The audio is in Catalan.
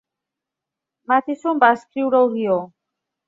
Matheson va escriure el guió.